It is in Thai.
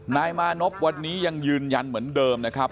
นายมานพวันนี้ยังยืนยันเหมือนเดิมนะครับ